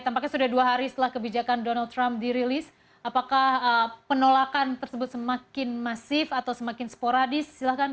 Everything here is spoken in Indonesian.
tampaknya sudah dua hari setelah kebijakan donald trump dirilis apakah penolakan tersebut semakin masif atau semakin sporadis